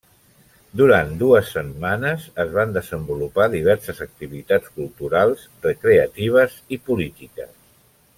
Durant dues setmanes es van desenvolupar diverses activitats culturals, recreatives i polítiques.